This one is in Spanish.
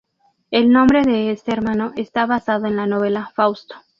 El nombre de este hermano está basado en la novela "Fausto".